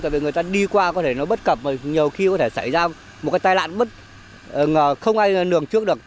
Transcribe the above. tại vì người ta đi qua có thể nó bất cập nhiều khi có thể xảy ra một cái tai nạn không ai nường trước được